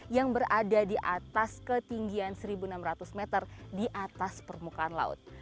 yang berada di atas ketinggian seribu enam ratus meter di atas permukaan laut